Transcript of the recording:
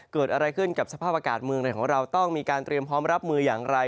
เกิดอะไรขึ้นกับสภาพอากาศเมืองไหนของเราต้องมีการเตรียมพร้อมรับมืออย่างไร